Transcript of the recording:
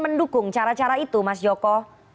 mendukung cara cara itu mas joko